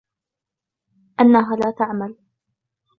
أنها لا تعمل.